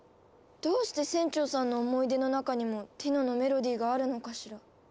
どうして船長さんの思い出の中にもティノのメロディーがあるのかしら？